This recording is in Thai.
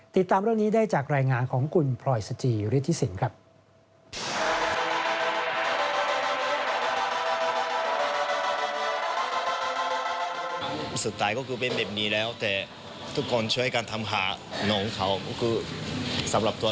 ติดตามเรื่องนี้ได้จากรายงานของคุณพลอยสจิฤทธิสินครับ